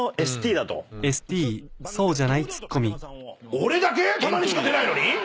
俺だけ⁉たまにしか出ないのに？